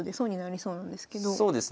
そうですね。